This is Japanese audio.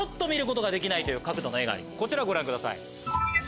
こちらご覧ください。